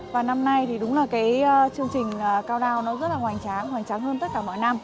và năm nay thì đúng là chương trình cao đao rất là hoàn trang hoàn trang hơn tất cả mọi năm